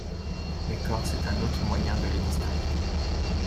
L'écorce est un autre moyen de les distinguer.